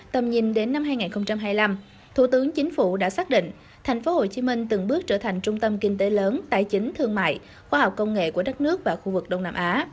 tầm nhìn đến năm hai nghìn hai mươi năm thủ tướng chính phủ đã xác định thành phố hồ chí minh từng bước trở thành trung tâm kinh tế lớn tài chính thương mại khoa học công nghệ của đất nước và khu vực đông nam á